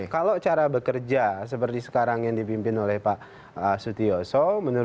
kalau cara bekerja seperti sekarang yang dipimpin oleh pak sutioso